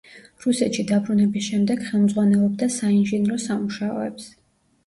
რუსეთში დაბრუნების შემდეგ ხელმძღვანელობდა საინჟინრო სამუშაოებს.